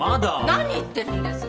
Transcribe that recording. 何言ってるんです！